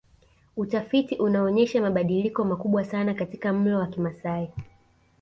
Utafiti unaonyesha mabadiliko makubwa sana katika mlo wa Kimasai